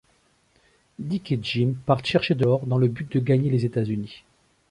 Dick et Jim partent chercher de l'or dans le but de gagner les États-Unis.